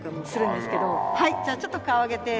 はいじゃあちょっと顔を上げて。